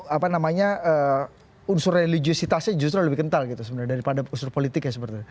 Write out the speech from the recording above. apa namanya unsur religiositasnya justru lebih kental gitu sebenarnya daripada unsur politik ya